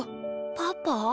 パパ？